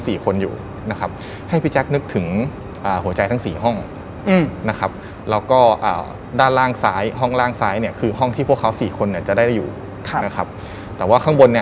ใส่สะบายสีเขียว